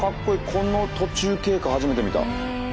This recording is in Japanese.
この途中経過初めて見た。